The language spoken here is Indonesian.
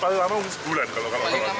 paling lama sebulan kalau